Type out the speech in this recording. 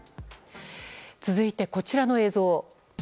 続いて、こちらの映像。